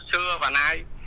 xưa và nay